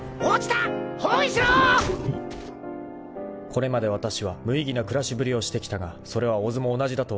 ［これまでわたしは無意義な暮らしぶりをしてきたがそれは小津も同じだと思っていた］